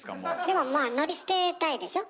でもまあ乗り捨てたいでしょ。